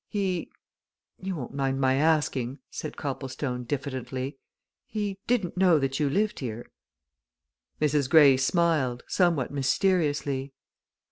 "He you won't mind my asking?" said Copplestone, diffidently, "he didn't know that you lived here?" Mrs. Greyle smiled, somewhat mysteriously.